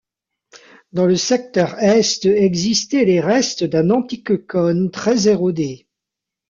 Dans le secteur est existait les restes d'un antique cône très érodée.